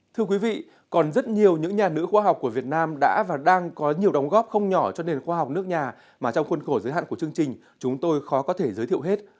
thưa quý vị còn rất nhiều những nhà nữ khoa học của việt nam đã và đang có nhiều đóng góp không nhỏ cho nền khoa học nước nhà mà trong khuôn khổ giới hạn của chương trình chúng tôi khó có thể giới thiệu hết